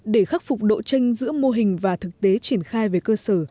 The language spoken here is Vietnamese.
để khắc phục độ tranh giữa mô hình và thực tế triển khai về cơ sở